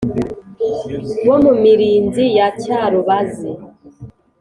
bo mu mirinzi ya cyarubazi